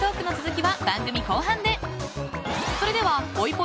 ［それでは］